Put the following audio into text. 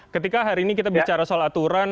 ketika hari ini kita bicara soal aturan